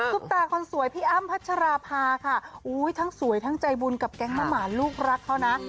ตาคนสวยพี่อ้ำพัชราภาค่ะทั้งสวยทั้งใจบุญกับแก๊งมะหมาลูกรักเขานะ